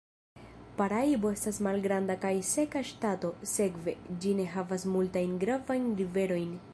Paraibo estas malgranda kaj seka ŝtato, sekve, ĝi ne havas multajn gravajn riverojn.